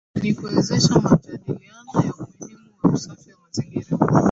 Ni kuwezesha majadiliano ya umuhimu wa usafi wa mazingira